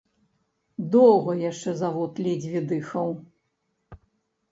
Доўга яшчэ завод ледзьве дыхаў.